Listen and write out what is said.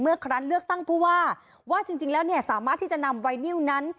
ครั้งเลือกตั้งผู้ว่าว่าจริงแล้วเนี่ยสามารถที่จะนำไวนิวนั้น